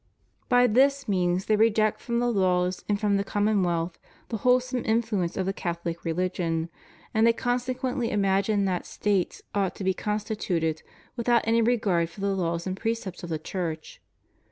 By this means they reject from the laws and from the com monwealth the wholesome influence of the CathoHc refigion; and they consequently imagine that States ought to be constituted without any regard for the laws and precepts of the Church.